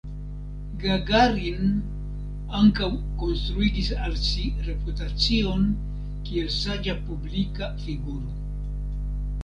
Gagarin ankaŭ konstruigis al si reputacion kiel saĝa publika figuro.